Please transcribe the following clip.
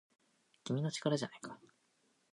君の力じゃないか